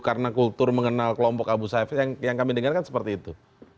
ya karena kultur mengenal kelompok abu saif yang kami dengar kan seperti itu